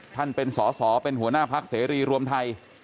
ท่านเป็นศศเป็นหัวหน้าภักษ์เสรีรวมไทย